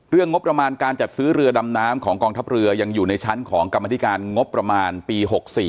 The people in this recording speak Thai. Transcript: งบประมาณการจัดซื้อเรือดำน้ำของกองทัพเรือยังอยู่ในชั้นของกรรมธิการงบประมาณปี๖๔